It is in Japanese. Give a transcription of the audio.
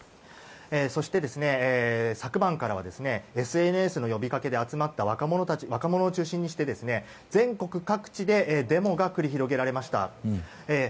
そして、昨晩からはＳＮＳの呼びかけで集まった若者を中心にして全国各地でデモが繰り広げられました。